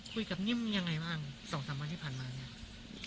กับนิ่มยังไงบ้าง๒๓วันที่ผ่านมาเนี่ย